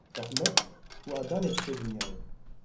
rehmet û adanê dixe dinyayê.